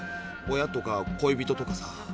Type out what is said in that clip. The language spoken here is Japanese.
親とか恋人とかさ。